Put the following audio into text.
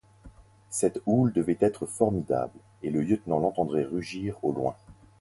Cette houle devait être formidable, et le lieutenant l’entendait rugir au loin.